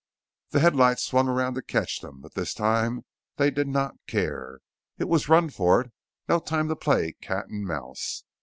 The headlights swung around to catch them, but this time they did not care. It was run for it; no time to play cat and mouse.